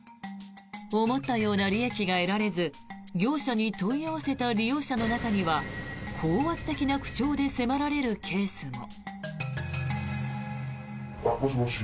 思ったような利益が得られず業者に問い合わせた利用者の中には高圧的な口調で迫られるケースも。